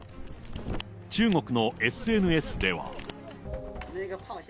中国のＳＮＳでは。